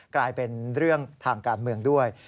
กลายเป็นเรื่องทางการเมืองด้วย